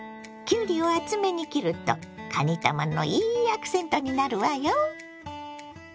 きゅうりを厚めに切るとかにたまのいいアクセントになるわよ。